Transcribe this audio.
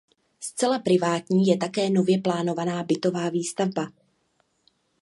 Zcela privátní je také nově plánovaná bytová výstavba.